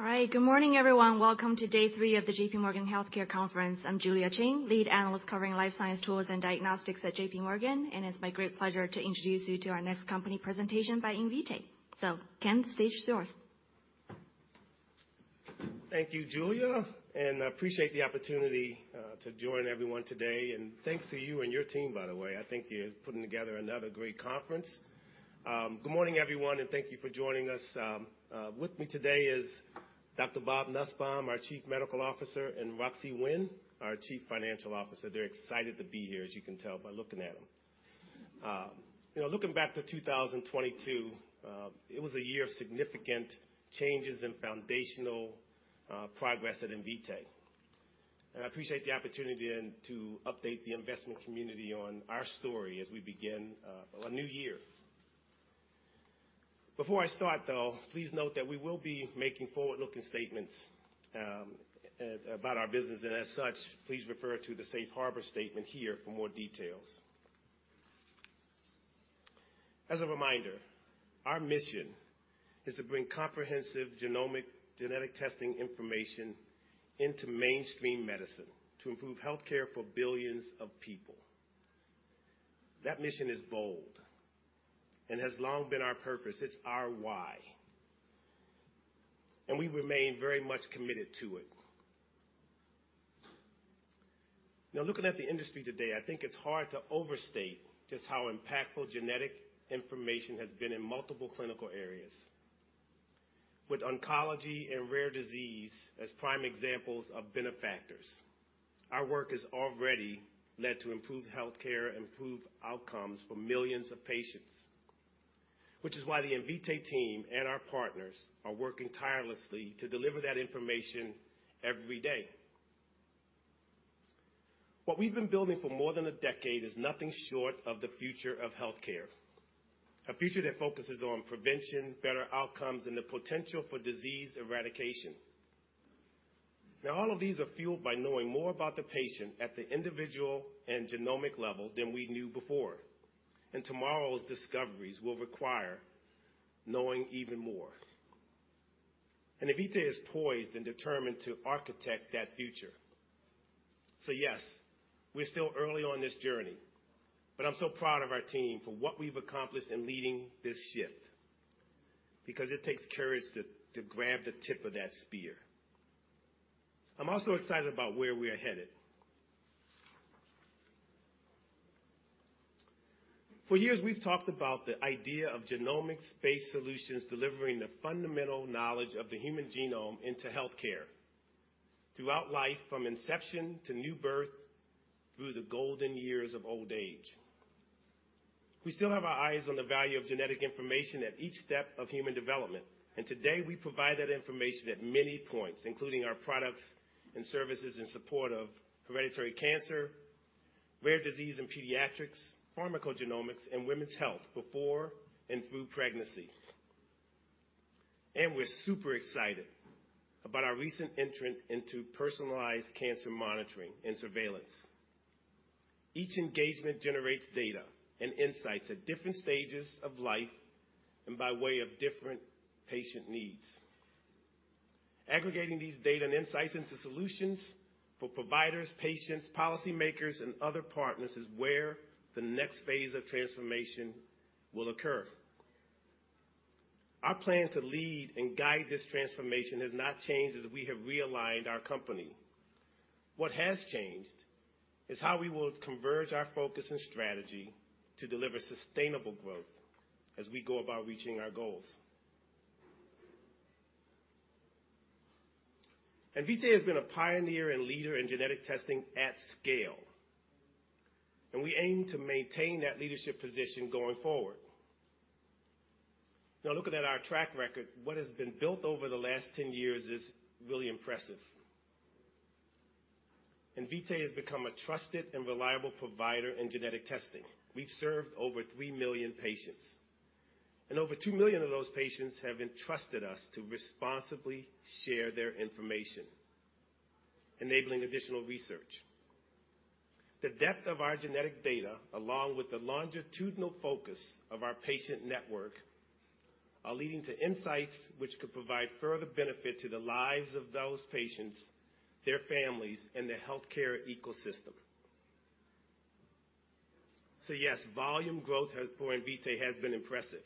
All right. Good morning, everyone. Welcome to day 3 of the JP Morgan Healthcare Conference. I'm Julia Qin, lead analyst covering life science, tools, and diagnostics at JP Morgan. It's my great pleasure to introduce you to our next company presentation by Invitae. Ken, the stage is yours. Thank you, Julia. I appreciate the opportunity to join everyone today. Thanks to you and your team, by the way. I think you're putting together another great conference. Good morning, everyone. Thank you for joining us. With me today is Dr. Bob Nussbaum, our Chief Medical Officer. Roxi Wen, our Chief Financial Officer. They're excited to be here, as you can tell by looking at them. You know, looking back to 2022, it was a year of significant changes and foundational progress at Invitae. I appreciate the opportunity and to update the investment community on our story as we begin a new year. Before I start though, please note that we will be making forward-looking statements about our business. As such, please refer to the Safe Harbor statement here for more details. As a reminder, our mission is to bring comprehensive genomic genetic testing information into mainstream medicine to improve healthcare for billions of people. That mission is bold and has long been our purpose. It's our why, and we remain very much committed to it. Now, looking at the industry today, I think it's hard to overstate just how impactful genetic information has been in multiple clinical areas. With oncology and rare disease as prime examples of benefactors, our work has already led to improved healthcare, improved outcomes for millions of patients, which is why the Invitae team and our partners are working tirelessly to deliver that information every day. What we've been building for more than a decade is nothing short of the future of healthcare. A future that focuses on prevention, better outcomes, and the potential for disease eradication. All of these are fueled by knowing more about the patient at the individual and genomic level than we knew before. Tomorrow's discoveries will require knowing even more. Invitae is poised and determined to architect that future. Yes, we're still early on this journey, but I'm so proud of our team for what we've accomplished in leading this shift, because it takes courage to grab the tip of that spear. I'm also excited about where we're headed. For years, we've talked about the idea of genomics-based solutions delivering the fundamental knowledge of the human genome into healthcare throughout life, from inception to new birth, through the golden years of old age. We still have our eyes on the value of genetic information at each step of human development, today we provide that information at many points, including our products and services in support of hereditary cancer, rare disease and pediatrics, pharmacogenomics, and women's health before and through pregnancy. We're super excited about our recent entrant into personalized cancer monitoring and surveillance. Each engagement generates data and insights at different stages of life and by way of different patient needs. Aggregating these data and insights into solutions for providers, patients, policy makers, and other partners is where the next phase of transformation will occur. Our plan to lead and guide this transformation has not changed as we have realigned our company. What has changed is how we will converge our focus and strategy to deliver sustainable growth as we go about reaching our goals. Invitae has been a pioneer and leader in genetic testing at scale, and we aim to maintain that leadership position going forward. Looking at our track record, what has been built over the last 10 years is really impressive. Invitae has become a trusted and reliable provider in genetic testing. We've served over 3 million patients, and over 2 million of those patients have entrusted us to responsibly share their information, enabling additional research. The depth of our genetic data, along with the longitudinal focus of our patient network, are leading to insights which could provide further benefit to the lives of those patients, their families, and the healthcare ecosystem. Yes, volume growth for Invitae has been impressive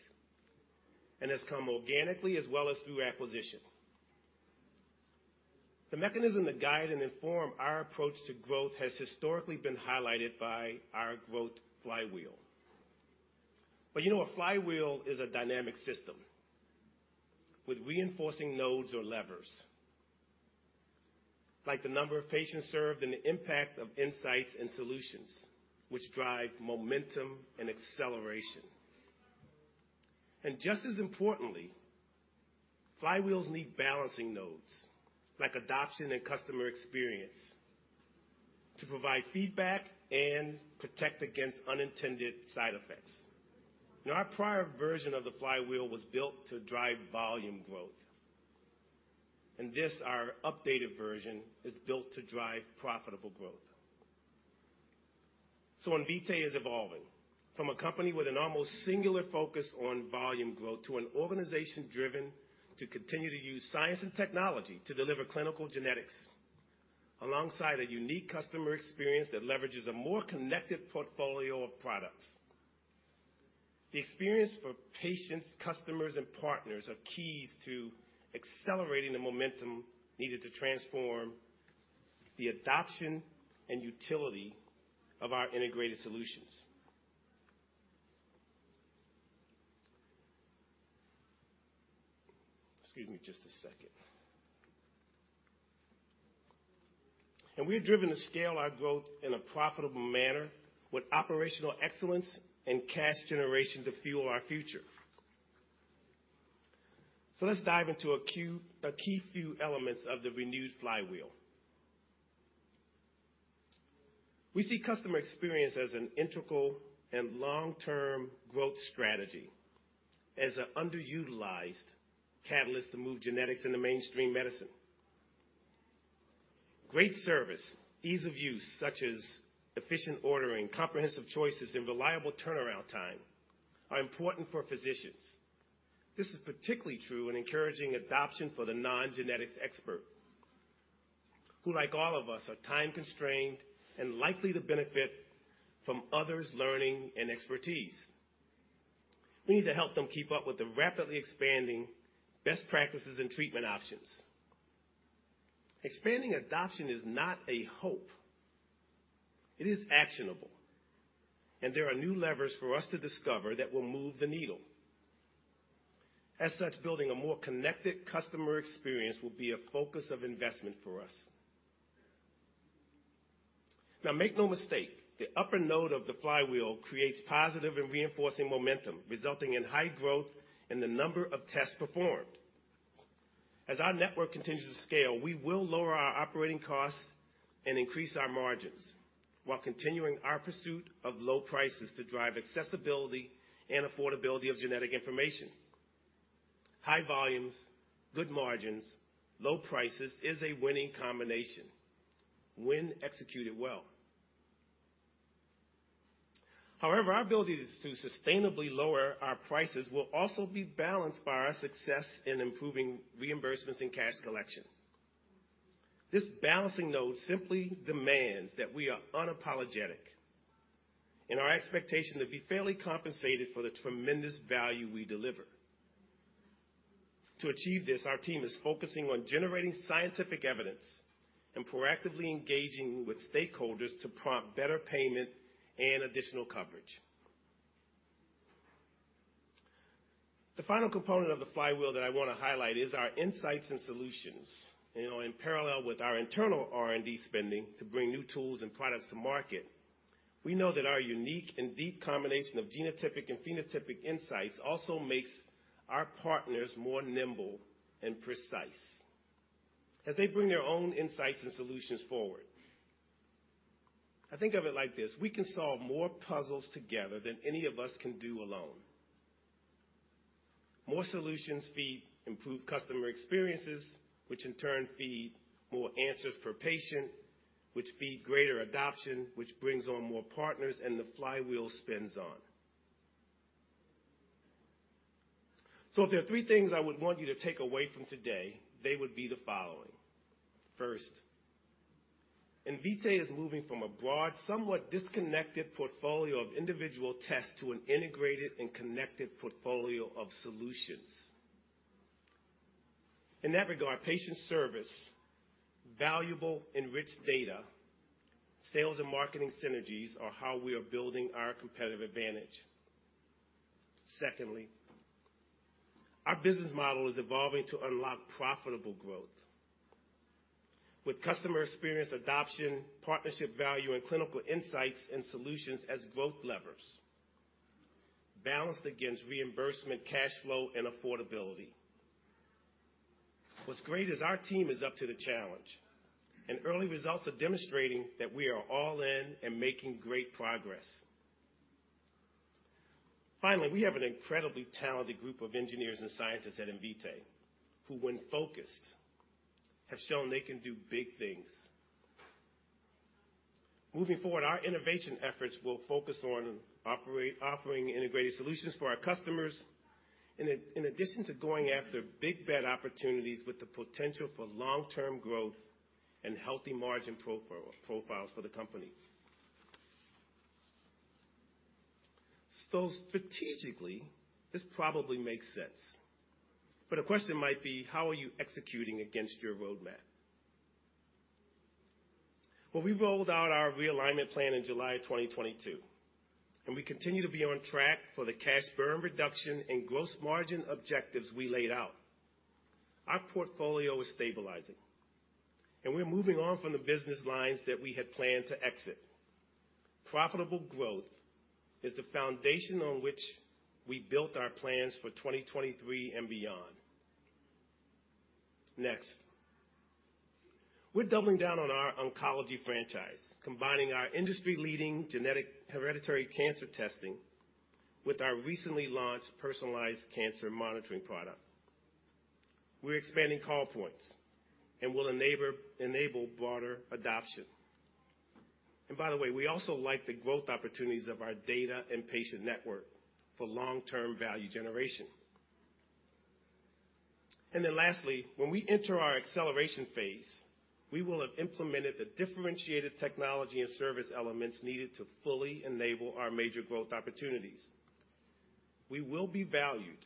and has come organically as well as through acquisition. The mechanism to guide and inform our approach to growth has historically been highlighted by our growth flywheel. You know, a flywheel is a dynamic system with reinforcing nodes or levers, like the number of patients served and the impact of insights and solutions which drive momentum and acceleration. Just as importantly, flywheels need balancing nodes like adoption and customer experience to provide feedback and protect against unintended side effects. Now, our prior version of the flywheel was built to drive volume growth, and this, our updated version, is built to drive profitable growth. Invitae is evolving from a company with an almost singular focus on volume growth to an organization driven to continue to use science and technology to deliver clinical genetics, alongside a unique customer experience that leverages a more connected portfolio of products. The experience for patients, customers, and partners are keys to accelerating the momentum needed to transform the adoption and utility of our integrated solutions. Excuse me, just a second. We are driven to scale our growth in a profitable manner with operational excellence and cash generation to fuel our future. Let's dive into a key few elements of the renewed flywheel. We see customer experience as an integral and long-term growth strategy as an underutilized catalyst to move genetics into mainstream medicine. Great service, ease of use, such as efficient ordering, comprehensive choices, and reliable turnaround time are important for physicians. This is particularly true in encouraging adoption for the non-genetics expert, who, like all of us, are time-constrained and likely to benefit from others' learning and expertise. We need to help them keep up with the rapidly expanding best practices and treatment options. Expanding adoption is not a hope. It is actionable, and there are new levers for us to discover that will move the needle. As such, building a more connected customer experience will be a focus of investment for us. Now, make no mistake, the upper node of the flywheel creates positive and reinforcing momentum, resulting in high growth in the number of tests performed. As our network continues to scale, we will lower our operating costs and increase our margins while continuing our pursuit of low prices to drive accessibility and affordability of genetic information. High volumes, good margins, low prices is a winning combination when executed well. However, our ability to sustainably lower our prices will also be balanced by our success in improving reimbursements and cash collection. This balancing node simply demands that we are unapologetic in our expectation to be fairly compensated for the tremendous value we deliver. To achieve this, our team is focusing on generating scientific evidence and proactively engaging with stakeholders to prompt better payment and additional coverage. The final component of the flywheel that I wanna highlight is our insights and solutions. You know, in parallel with our internal R&D spending to bring new tools and products to market, we know that our unique and deep combination of genotypic and phenotypic insights also makes our partners more nimble and precise as they bring their own insights and solutions forward. I think of it like this: we can solve more puzzles together than any of us can do alone. More solutions feed improved customer experiences, which in turn feed more answers per patient, which feed greater adoption, which brings on more partners, and the flywheel spins on. If there are three things I would want you to take away from today, they would be the following. First, Invitae is moving from a broad, somewhat disconnected portfolio of individual tests to an integrated and connected portfolio of solutions. In that regard, patient service, valuable enriched data, sales and marketing synergies are how we are building our competitive advantage. Secondly, our business model is evolving to unlock profitable growth with customer experience, adoption, partnership value, and clinical insights and solutions as growth levers balanced against reimbursement, cash flow, and affordability. What's great is our team is up to the challenge, and early results are demonstrating that we are all in and making great progress. Finally, we have an incredibly talented group of engineers and scientists at Invitae, who when focused, have shown they can do big things. Moving forward, our innovation efforts will focus on offering integrated solutions for our customers in addition to going after big, bet opportunities with the potential for long-term growth and healthy margin profiles for the company. Strategically, this probably makes sense, but a question might be, how are you executing against your roadmap? Well, we rolled out our realignment plan in July of 2022, and we continue to be on track for the cash burn reduction and gross margin objectives we laid out. Our portfolio is stabilizing, and we are moving on from the business lines that we had planned to exit. Profitable growth is the foundation on which we built our plans for 2023 and beyond. Next, we're doubling down on our oncology franchise, combining our industry-leading genetic hereditary cancer testing with our recently launched Personalized Cancer Monitoring product. We're expanding call points and will enable broader adoption. By the way, we also like the growth opportunities of our data and patient network for long-term value generation. Lastly, when we enter our acceleration phase, we will have implemented the differentiated technology and service elements needed to fully enable our major growth opportunities. We will be valued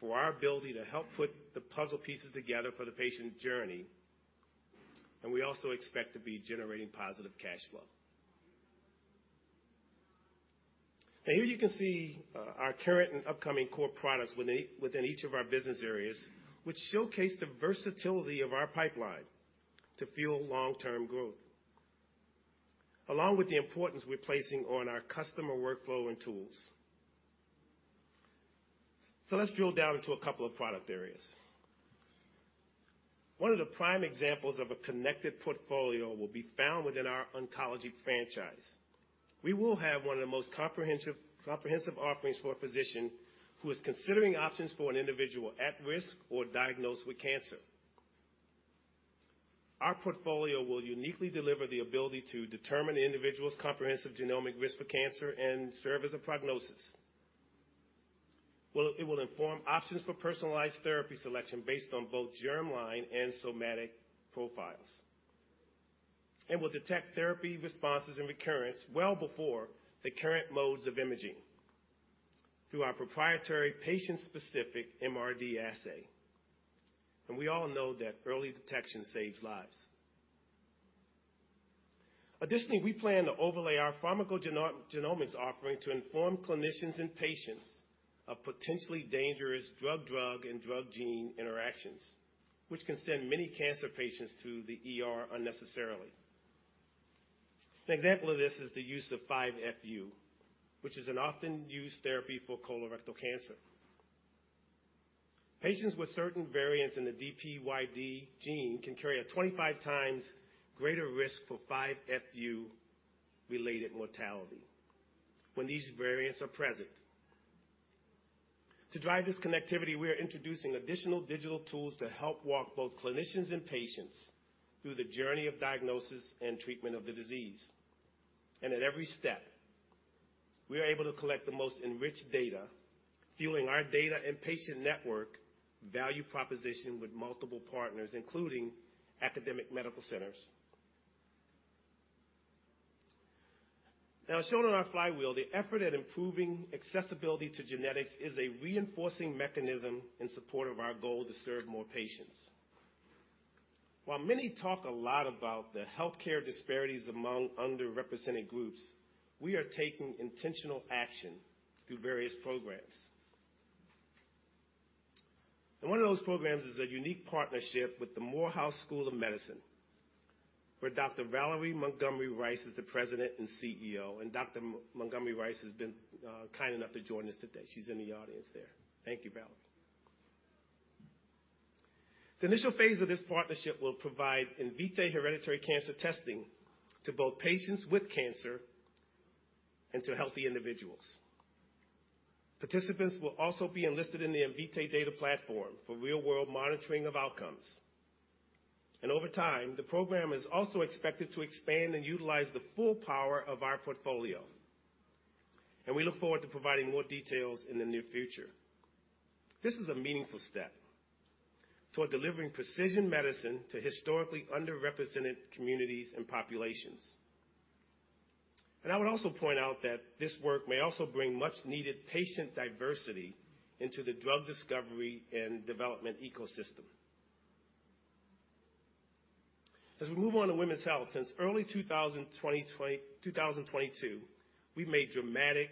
for our ability to help put the puzzle pieces together for the patient journey, and we also expect to be generating positive cash flow. Here you can see, our current and upcoming core products within each of our business areas, which showcase the versatility of our pipeline to fuel long-term growth, along with the importance we're placing on our customer workflow and tools. Let's drill down into a couple of product areas. One of the prime examples of a connected portfolio will be found within our oncology franchise. We will have one of the most comprehensive offerings for a physician who is considering options for an individual at risk or diagnosed with cancer. Our portfolio will uniquely deliver the ability to determine the individual's comprehensive genomic risk for cancer and serve as a prognosis. Well, it will inform options for personalized therapy selection based on both germline and somatic profiles, and will detect therapy responses and recurrence well before the current modes of imaging through our proprietary patient-specific MRD assay. We all know that early detection saves lives. Additionally, we plan to overlay our pharmacogenomics offering to inform clinicians and patients of potentially dangerous drug-drug and drug-gene interactions, which can send many cancer patients to the ER unnecessarily. An example of this is the use of 5-FU, which is an often used therapy for colorectal cancer. Patients with certain variants in the DPYD gene can carry a 25 times greater risk for 5-FU related mortality when these variants are present. To drive this connectivity, we are introducing additional digital tools to help walk both clinicians and patients through the journey of diagnosis and treatment of the disease. At every step, we are able to collect the most enriched data, fueling our data and patient network value proposition with multiple partners, including academic medical centers. Now, shown on our flywheel, the effort at improving accessibility to genetics is a reinforcing mechanism in support of our goal to serve more patients. While many talk a lot about the healthcare disparities among underrepresented groups, we are taking intentional action through various programs. One of those programs is a unique partnership with the Morehouse School of Medicine, where Dr. Valerie Montgomery Rice is the President and CEO. Dr. Montgomery Rice has been kind enough to join us today. She's in the audience there. Thank you, Valerie. The initial phase of this partnership will provide Invitae hereditary cancer testing to both patients with cancer and to healthy individuals. Participants will also be enlisted in the Invitae data platform for real-world monitoring of outcomes. Over time, the program is also expected to expand and utilize the full power of our portfolio, and we look forward to providing more details in the near future. This is a meaningful step toward delivering precision medicine to historically underrepresented communities and populations. I would also point out that this work may also bring much needed patient diversity into the drug discovery and development ecosystem. As we move on to women's health, since early 2022, we've made dramatic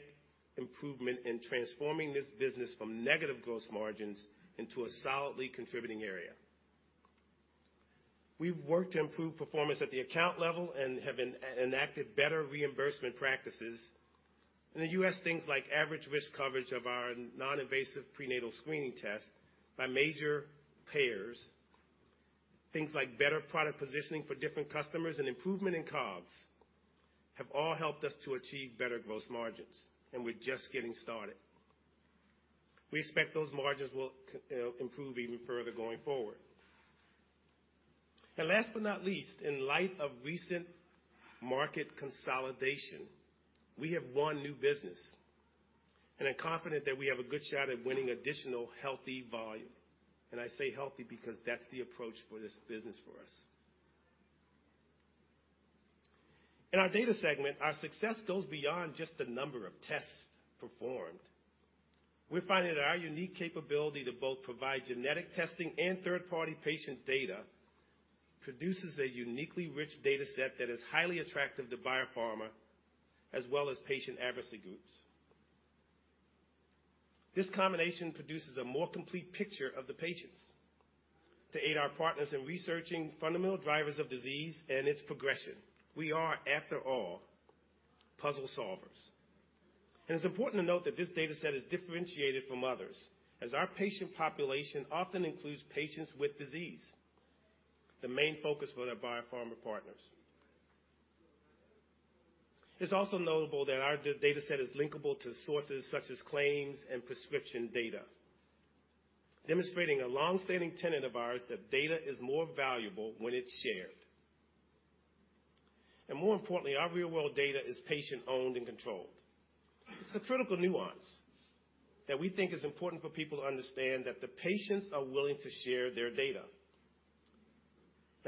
improvement in transforming this business from negative gross margins into a solidly contributing area. We've worked to improve performance at the account level and have enacted better reimbursement practices. In the U.S., things like average risk coverage of our non-invasive prenatal screening test by major payers, things like better product positioning for different customers, and improvement in COGS, have all helped us to achieve better gross margins. We're just getting started. We expect those margins will improve even further going forward. Last but not least, in light of recent market consolidation, we have won new business, and I'm confident that we have a good shot at winning additional healthy volume. I say healthy because that's the approach for this business for us. In our data segment, our success goes beyond just the number of tests performed. We're finding that our unique capability to both provide genetic testing and third-party patient data produces a uniquely rich data set that is highly attractive to biopharma as well as patient advocacy groups. This combination produces a more complete picture of the patients to aid our partners in researching fundamental drivers of disease and its progression. We are, after all, puzzle solvers. It's important to note that this data set is differentiated from others as our patient population often includes patients with disease, the main focus for their biopharma partners. It's also notable that our data set is linkable to sources such as claims and prescription data, demonstrating a long-standing tenet of ours that data is more valuable when it's shared. More importantly, our real world data is patient-owned and controlled. It's a critical nuance that we think is important for people to understand that the patients are willing to share their data.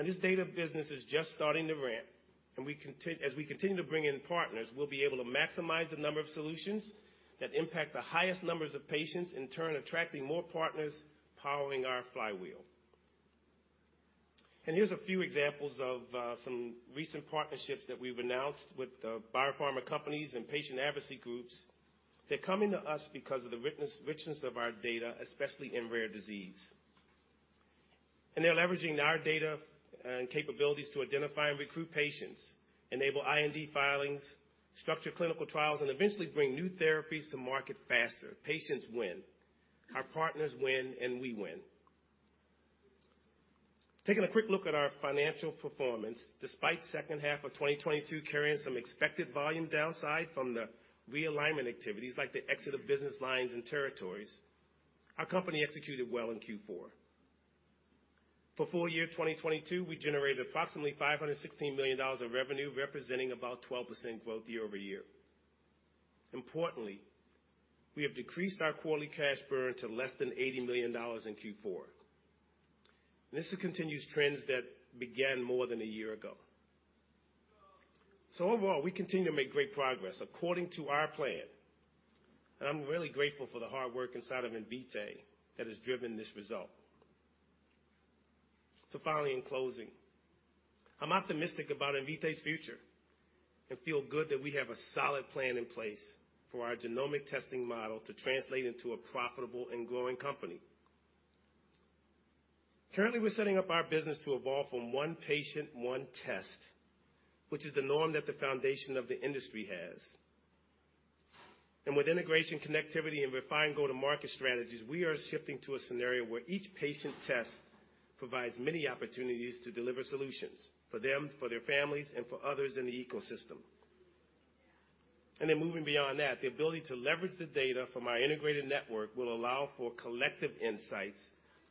This data business is just starting to ramp, as we continue to bring in partners, we'll be able to maximize the number of solutions that impact the highest numbers of patients, in turn attracting more partners, powering our flywheel. Here's a few examples of some recent partnerships that we've announced with biopharma companies and patient advocacy groups. They're coming to us because of the richness of our data, especially in rare disease. They're leveraging our data and capabilities to identify and recruit patients, enable IND filings, structure clinical trials, and eventually bring new therapies to market faster. Patients win, our partners win, and we win. Taking a quick look at our financial performance. Despite second half of 2022 carrying some expected volume downside from the realignment activities like the exit of business lines and territories, our company executed well in Q4. For full-year 2022, we generated approximately $516 million of revenue, representing about 12% growth year-over-year. Importantly, we have decreased our quarterly cash burn to less than $80 million in Q4. This continues trends that began more than a year ago. Overall, we continue to make great progress according to our plan, and I'm really grateful for the hard work inside of Invitae that has driven this result. Finally, in closing, I'm optimistic about Invitae's future and feel good that we have a solid plan in place for our genomic testing model to translate into a profitable and growing company. Currently, we're setting up our business to evolve from one patient, one test, which is the norm that the foundation of the industry has. With integration, connectivity, and refined go-to-market strategies, we are shifting to a scenario where each patient test provides many opportunities to deliver solutions for them, for their families, and for others in the ecosystem. Moving beyond that, the ability to leverage the data from our integrated network will allow for collective insights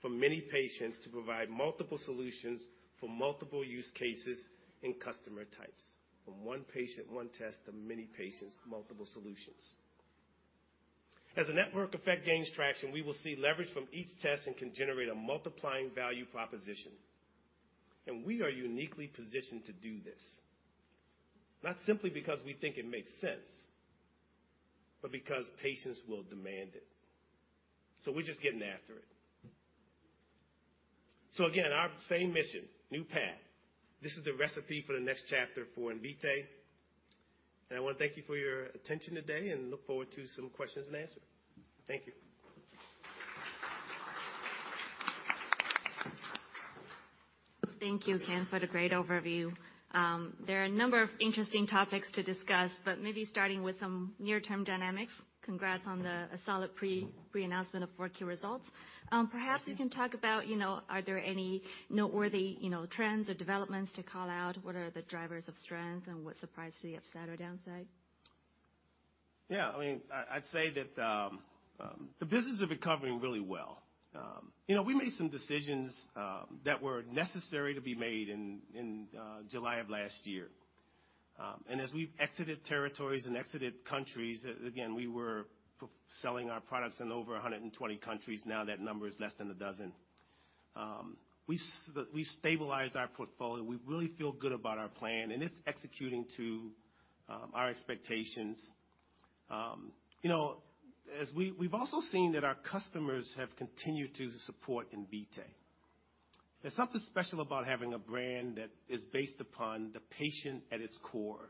from many patients to provide multiple solutions for multiple use cases and customer types. From one patient, one test, to many patients, multiple solutions. As the network effect gains traction, we will see leverage from each test and can generate a multiplying value proposition. We are uniquely positioned to do this, not simply because we think it makes sense, but because patients will demand it. We're just getting after it. Again, our same mission, new path. This is the recipe for the next chapter for Invitae. I wanna thank you for your attention today and look forward to some questions and answer. Thank you. Thank you, Ken, for the great overview. There are a number of interesting topics to discuss, but maybe starting with some near-term dynamics. Congrats on the solid pre-announcement of 4Q results. Thank you. Perhaps you can talk about, you know, are there any noteworthy, trends or developments to call out? What are the drivers of strength and what's the price to the upside or downside? Yeah, I mean, I'd say that the business is recovering really well. You know, we made some decisions that were necessary to be made in July of last year. As we've exited territories and exited countries, again, we were selling our products in over 120 countries. Now that number is less than 12. We've stabilized our portfolio. We really feel good about our plan, and it's executing to our expectations. You know, we've also seen that our customers have continued to support Invitae. There's something special about having a brand that is based upon the patient at its core,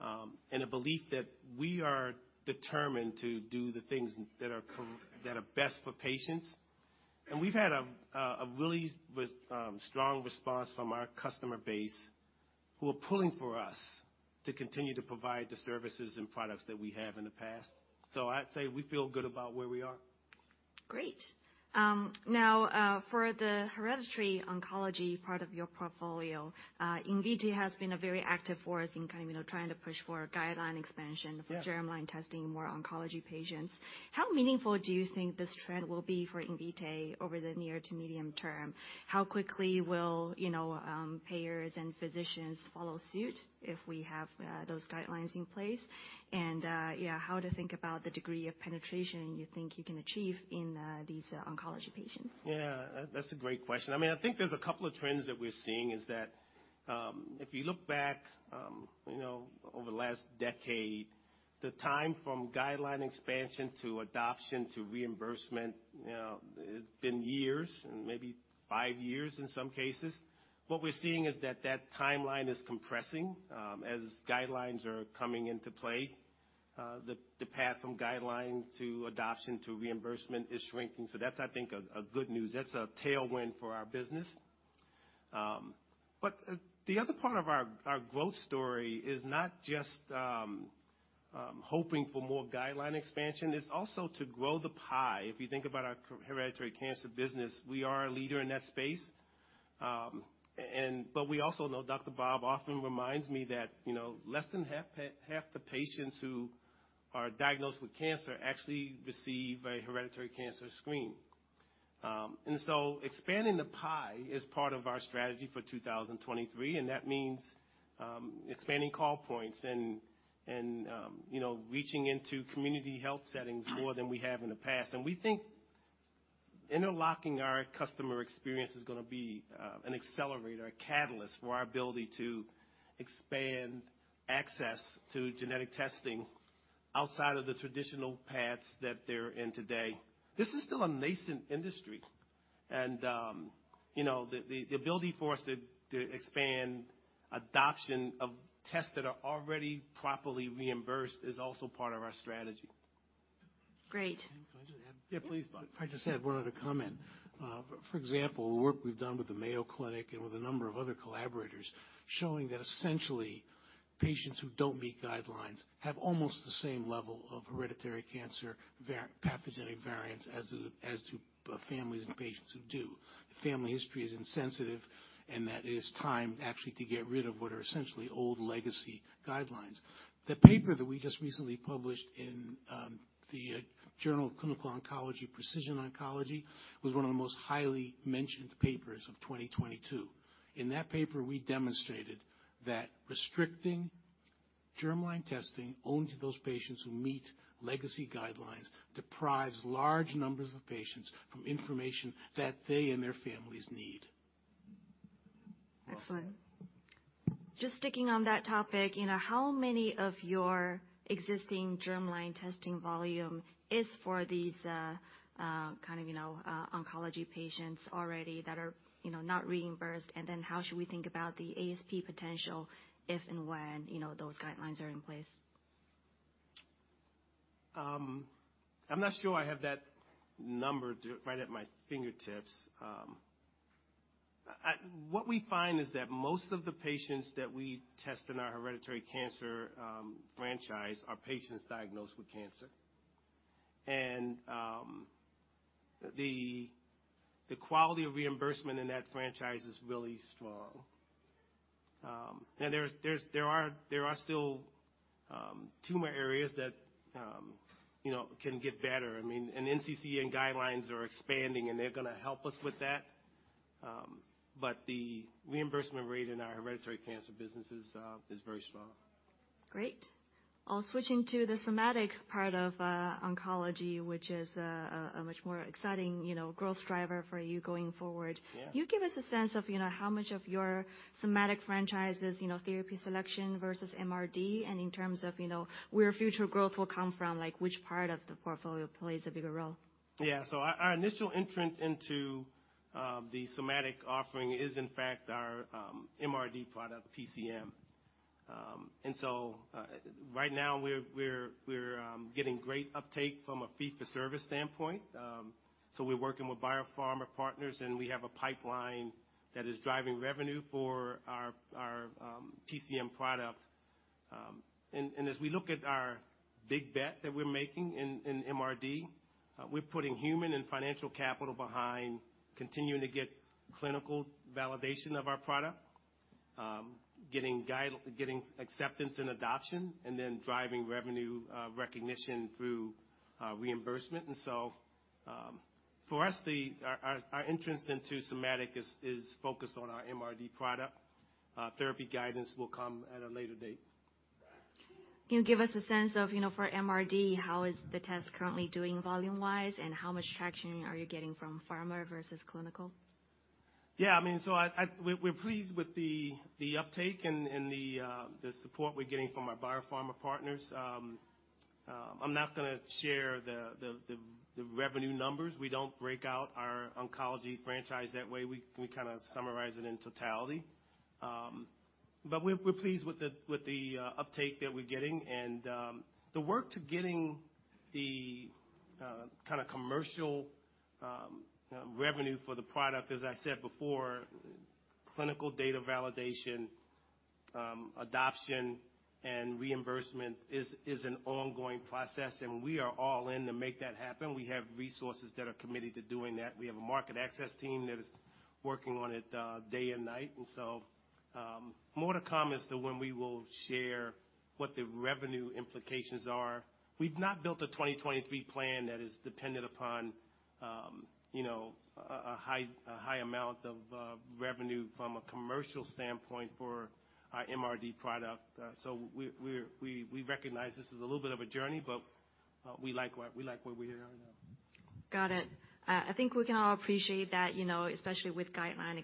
and a belief that we are determined to do the things that are best for patients. We've had a really strong response from our customer base who are pulling for us to continue to provide the services and products that we have in the past. I'd say we feel good about where we are. Great. Now, for the hereditary oncology part of your portfolio, Invitae has been a very active force in kind of, you know, trying to push for guideline expansion- Yeah. For germline testing, more oncology patients. How meaningful do you think this trend will be for Invitae over the near to medium term? How quickly will, payers and physicians follow suit if we have those guidelines in place? Yeah, how to think about the degree of penetration you think you can achieve in these oncology patients? Yeah. That's a great question. I mean, I think there's a couple of trends that we're seeing is that, if you look back, you know, over the last decade, the time from guideline expansion to adoption to reimbursement, it's been years and maybe five years in some cases. What we're seeing is that that timeline is compressing, as guidelines are coming into play. The path from guideline to adoption to reimbursement is shrinking. That's, I think, a good news. That's a tailwind for our business. The other part of our growth story is not just I'm hoping for more guideline expansion. It's also to grow the pie. If you think about our hereditary cancer business, we are a leader in that space. We also know, Dr. Bob often reminds me that, you know, less than half the patients who are diagnosed with cancer actually receive a hereditary cancer screen. Expanding the pie is part of our strategy for 2023, and that means expanding call points and reaching into community health settings more than we have in the past. We think interlocking our customer experience is gonna be an accelerator, a catalyst for our ability to expand access to genetic testing outside of the traditional paths that they're in today. This is still a nascent industry, and, the ability for us to expand adoption of tests that are already properly reimbursed is also part of our strategy. Great. Can I just add? Yeah, please, Bob. If I just add one other comment. For example, the work we've done with the Mayo Clinic and with a number of other collaborators showing that essentially patients who don't meet guidelines have almost the same level of hereditary cancer pathogenic variants as do families and patients who do. The family history is insensitive, that it is time actually to get rid of what are essentially old legacy guidelines. The paper that we just recently published in the Journal of Clinical Oncology, Precision Oncology, was one of the most highly mentioned papers of 2022. In that paper, we demonstrated that restricting germline testing only to those patients who meet legacy guidelines deprives large numbers of patients from information that they and their families need. Excellent. Just sticking on that topic, you know, how many of your existing germline testing volume is for these, kind of oncology patients already that are, you know, not reimbursed? Then how should we think about the ASP potential if and when, those guidelines are in place? I'm not sure I have that number right at my fingertips. What we find is that most of the patients that we test in our hereditary cancer franchise are patients diagnosed with cancer. The quality of reimbursement in that franchise is really strong. There are still tumor areas that can get better. I mean, NCCN guidelines are expanding, and they're gonna help us with that. The reimbursement rate in our hereditary cancer business is very strong. Great. I'll switching to the somatic part of oncology, which is a much more exciting, growth driver for you going forward. Yeah. Can you give us a sense of, you know, how much of your somatic franchise is therapy selection versus MRD, and in terms of, you know, where future growth will come from, like which part of the portfolio plays a bigger role? Yeah. So our initial entrant into the somatic offering is, in fact, our MRD product, PCM. Right now, we're getting great uptake from a fee-for-service standpoint. We're working with biopharma partners, and we have a pipeline that is driving revenue for our PCM product. As we look at our big bet that we're making in MRD, we're putting human and financial capital behind continuing to get clinical validation of our product, getting acceptance and adoption, and then driving revenue recognition through reimbursement. For us, our entrance into somatic is focused on our MRD product. Therapy guidance will come at a later date. Can you give us a sense of, you know, for MRD, how is the test currently doing volume-wise, and how much traction are you getting from pharma versus clinical? I mean, we're pleased with the uptake and the support we're getting from our biopharma partners. I'm not gonna share the revenue numbers. We don't break out our oncology franchise that way. We kinda summarize it in totality. But we're pleased with the uptake that we're getting and the work to getting the kinda commercial revenue for the product, as I said before, clinical data validation, adoption, and reimbursement is an ongoing process, and we are all in to make that happen. We have resources that are committed to doing that. We have a market access team that is working on it day and night. More to come as to when we will share what the revenue implications are. We've not built a 2023 plan that is dependent upon, a high amount of revenue from a commercial standpoint for our MRD product. We recognize this is a little bit of a journey, but we like where we are now. Got it. I think we can all appreciate that, especially with guideline,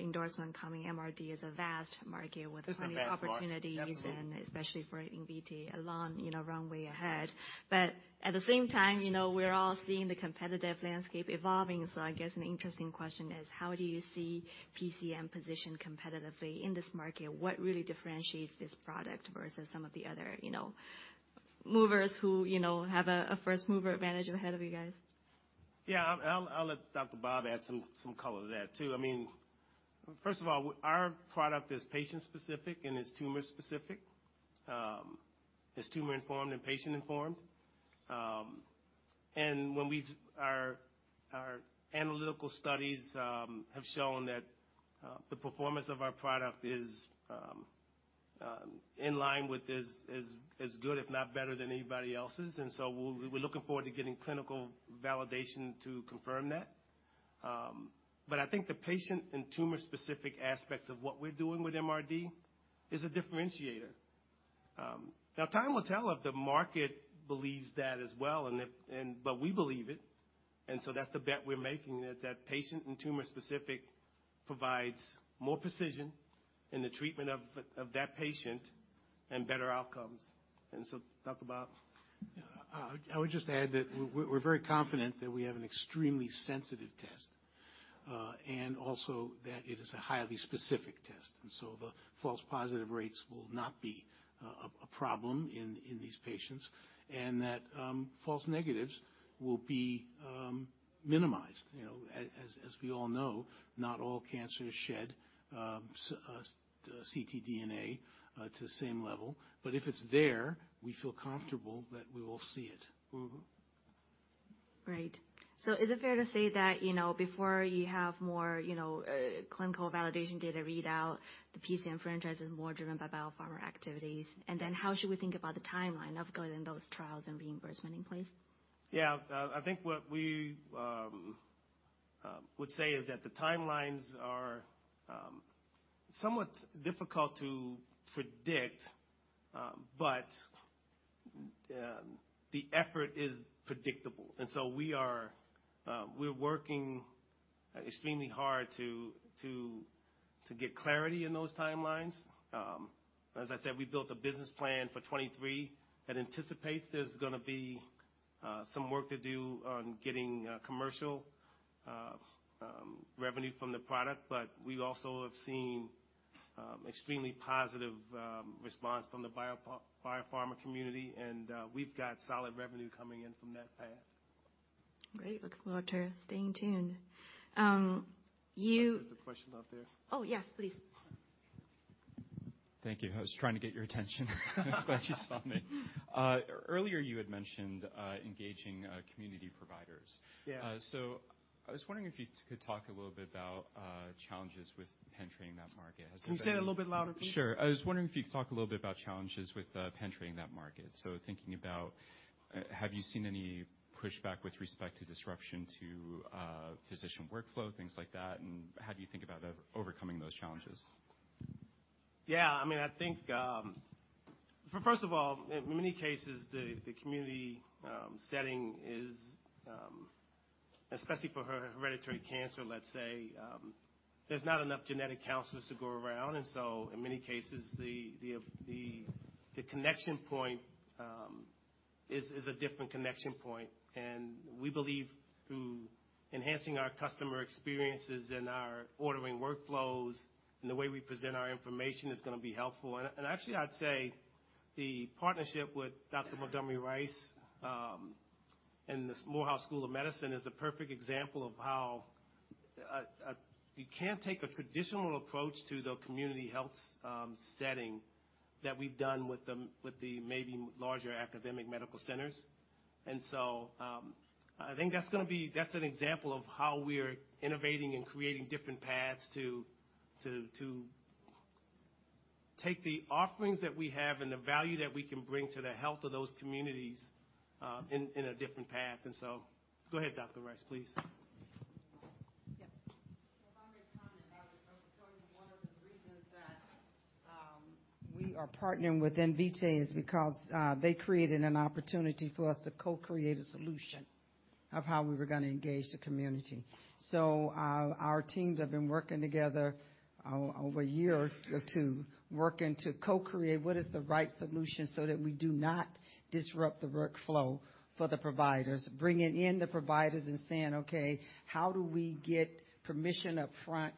endorsement coming, MRD is a vast market with plenty of opportunities. It's a vast market. Definitely. Especially for Invitae a long, runway ahead. At the same time, we're all seeing the competitive landscape evolving. I guess an interesting question is, how do you see PCM positioned competitively in this market? What really differentiates this product versus some of the other, movers who, have a first-mover advantage ahead of you guys? Yeah. I'll let Dr. Bob add some color to that too. I mean, first of all, our product is patient specific and is tumor specific, is tumor informed and patient informed. When our analytical studies have shown that the performance of our product is in line with as good, if not better than anybody else's. We're looking forward to getting clinical validation to confirm that. I think the patient and tumor-specific aspects of what we're doing with MRD is a differentiator. Now time will tell if the market believes that as well. We believe it, that's the bet we're making, is that patient and tumor specific provides more precision in the treatment of that patient and better outcomes. Talk about- Yeah. I would just add that we're very confident that we have an extremely sensitive test, and also that it is a highly specific test. The false positive rates will not be a problem in these patients, and that false negatives will be minimized. You know, as we all know, not all cancers shed ctDNA to the same level. If it's there, we feel comfortable that we will see it. Mm-hmm. Right. Is it fair to say that before you have more clinical validation data readout, the PCM franchise is more driven by biopharma activities? How should we think about the timeline of getting those trials and reimbursement in place? Yeah. I think what we would say is that the timelines are somewhat difficult to predict, but the effort is predictable. We are, we're working extremely hard to get clarity in those timelines. As I said, we built a business plan for 2023 that anticipates there's gonna be some work to do on getting commercial revenue from the product. We also have seen extremely positive response from the biopharma community, and we've got solid revenue coming in from that path. Great. Looking forward to staying tuned. There's a question out there. Oh, yes, please. Thank you. I was trying to get your attention. Glad you saw me. Earlier you had mentioned engaging community providers. Yeah. I was wondering if you could talk a little bit about challenges with penetrating that market? Can you say it a little bit louder, please? Sure. I was wondering if you could talk a little bit about challenges with penetrating that market. Thinking about, have you seen any pushback with respect to disruption to physician workflow, things like that, and how do you think about overcoming those challenges? Yeah, I mean, I think, first of all, in many cases, the community, setting is, especially for hereditary cancer, let's say, there's not enough genetic counselors to go around. In many cases, the, the connection point, is a different connection point. We believe through enhancing our customer experiences and our ordering workflows and the way we present our information is gonna be helpful. And actually, I'd say the partnership with Dr. Montgomery Rice, and the Morehouse School of Medicine is a perfect example of how you can't take a traditional approach to the community health, setting that we've done with the, with the maybe larger academic medical centers. I think that's an example of how we're innovating and creating different paths to take the offerings that we have and the value that we can bring to the health of those communities, in a different path. Go ahead, Dr. Rice, please. Yeah. If I may comment, that was, one of the reasons that we are partnering with Invitae is because they created an opportunity for us to co-create a solution of how we were gonna engage the community. Our teams have been working together over a year or two, working to co-create what is the right solution so that we do not disrupt the workflow for the providers, bringing in the providers and saying, "Okay, how do we get permission up front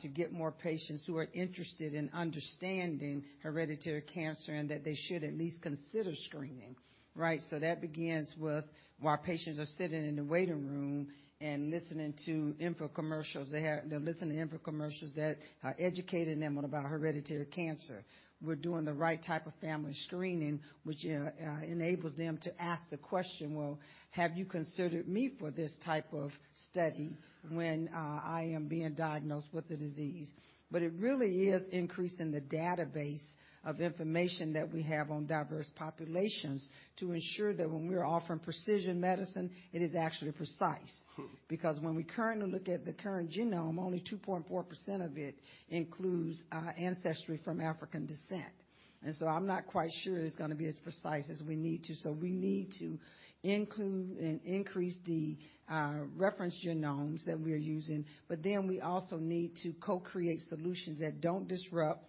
to get more patients who are interested in understanding hereditary cancer and that they should at least consider screening?" Right? That begins with while patients are sitting in the waiting room and listening to infomercials they're listening to infomercials that are educating them about hereditary cancer. We're doing the right type of family screening, which enables them to ask the question: "Well, have you considered me for this type of study when I am being diagnosed with the disease?" It really is increasing the database of information that we have on diverse populations to ensure that when we're offering precision medicine, it is actually precise. Because when we currently look at the current genome, only 2.4% of it includes ancestry from African descent. I'm not quite sure it's gonna be as precise as we need to. We need to include and increase the reference genomes that we're using, we also need to co-create solutions that don't disrupt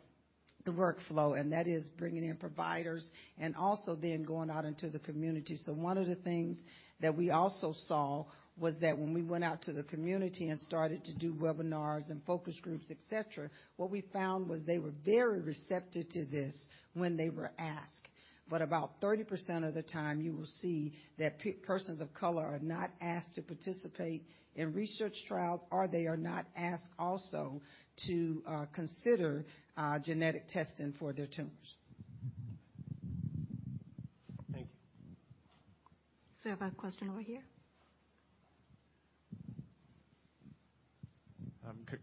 the workflow, that is bringing in providers and also then going out into the community. One of the things that we also saw was that when we went out to the community and started to do webinars and focus groups, et cetera, what we found was they were very receptive to this when they were asked. About 30% of the time, you will see that persons of color are not asked to participate in research trials, or they are not asked also to consider genetic testing for their tumors. Thank you. We have a question over here.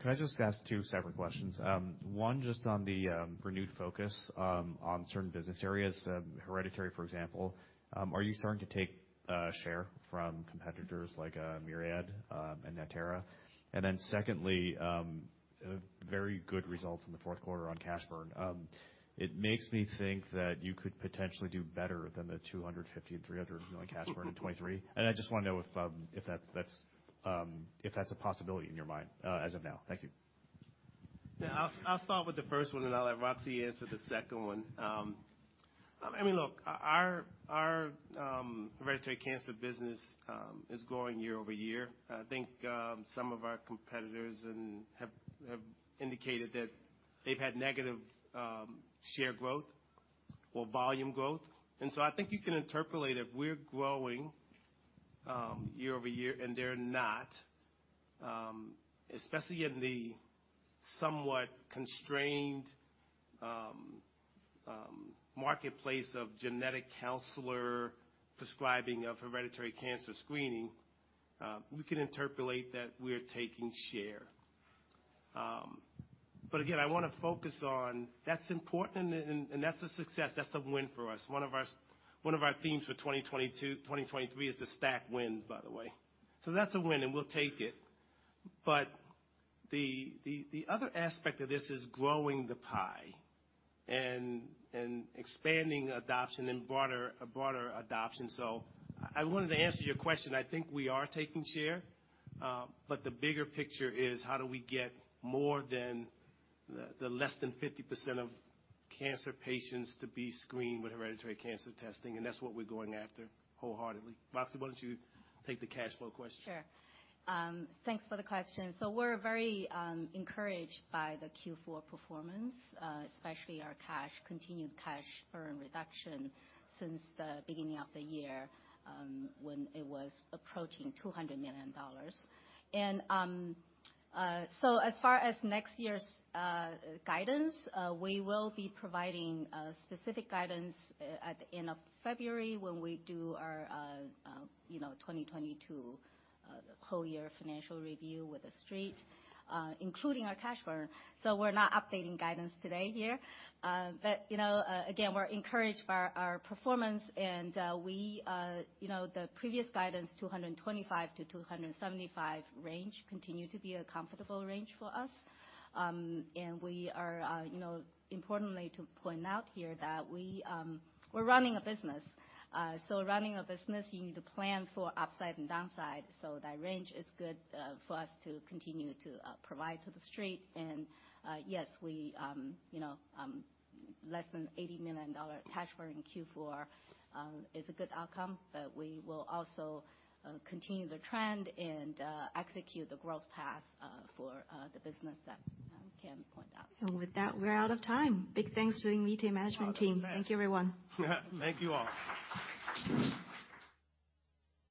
Can I just ask two separate questions? One, just on the renewed focus on certain business areas, hereditary, for example, are you starting to take share from competitors like Myriad and Natera? Secondly, very good results in the fourth quarter on cash burn. It makes me think that you could potentially do better than the $250 million-$300 million cash burn in 2023. I just wanna know if that's a possibility in your mind as of now. Thank you. Yeah. I'll start with the first one, and I'll let Roxi answer the second one. I mean, look, our hereditary cancer business is growing year-over-year. I think some of our competitors have indicated that they've had negative share growth or volume growth. I think you can interpolate if we're growing year-over-year and they're not, especially in the somewhat constrained marketplace of genetic counselor prescribing of hereditary cancer screening, we can interpolate that we're taking share. Again, I wanna focus on that's important and that's a success. That's a win for us. One of our themes for 2022-2023 is the stack wins, by the way. That's a win and we'll take it. The other aspect of this is growing the pie and expanding adoption and broader adoption. I wanted to answer your question. I think we are taking share, but the bigger picture is how do we get more than the less than 50% of cancer patients to be screened with hereditary cancer testing, and that's what we're going after wholeheartedly. Roxi, why don't you take the cash flow question? Sure. Thanks for the question. We're very encouraged by the Q4 performance, especially our continued cash burn reduction since the beginning of the year, when it was approaching $200 million. As far as next year's guidance, we will be providing specific guidance at the end of February when we do our, 2022 whole year financial review with The Street, including our cash burn. We're not updating guidance today here. Again, we're encouraged by our performance and we, the previous guidance, $225-$275 range continue to be a comfortable range for us. We are, importantly to point out here that we're running a business. Running a business, you need to plan for upside and downside. That range is good for us to continue to provide to The Street. Yes, we, less than $80 million cash burn in Q4 is a good outcome, but we will also continue the trend and execute the growth path for the business that Ken pointed out. With that, we're out of time. Big thanks to the Media Management team. Wow, that's fast. Thank you, everyone. Thank you, all.